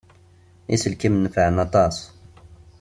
Iselkimen nefɛen aṭas.